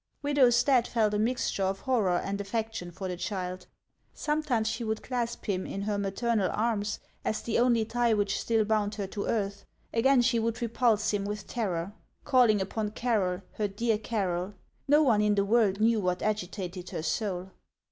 Widow Stadt felt a mixture of horror and affection for the child. Sometimes she would clasp him in her ma ternal arms, as the only tie which still bound her to earth ; again she would repulse him with terror, calling upon Carroll, her dear Carroll. No one in the world knew what agitated her soul.